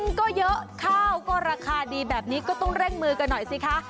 ก็เยอะข้าวก็ราคาดีแบบนี้ก็ต้องเร่งมือกันหน่อยสิคะ